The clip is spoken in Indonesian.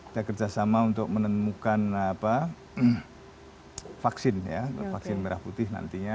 kita kerjasama untuk menemukan vaksin ya vaksin merah putih nantinya